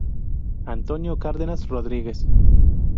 Antonio Cárdenas Rodríguez.